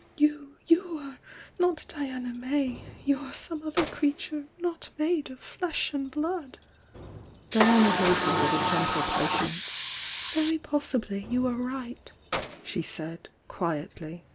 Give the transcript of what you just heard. You — you are not Diana May — you are some other creature, not made of flesh and blood!" Diana heard her with a gentle pat' mce. ''Very possibly you are right," she said, quietly.